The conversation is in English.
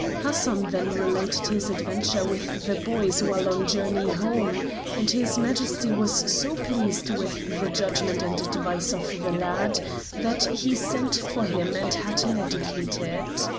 Hassan then related his adventure with the boys while on his journey home, and his Majesty was so pleased with the judgment and advice of the lad that he sent for him and had him educated.